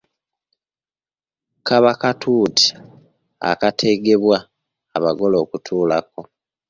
Kaba katuuti akategebwa abagole okutuulako.